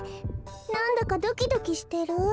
なんだかドキドキしてる？